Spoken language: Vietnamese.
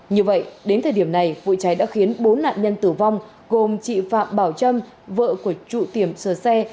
như vậy đến thời điểm này vụ cháy đã khiến bốn nạn nhân tử vong gồm chị phạm bảo trâm vợ của trụ tiệm sửa xe